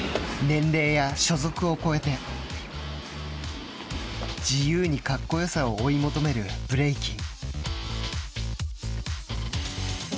運転して溝口まで年齢や所属を超えて自由にかっこよさを追い求めるブレイキン。